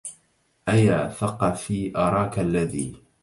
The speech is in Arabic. أيا ثقفي أراك الذي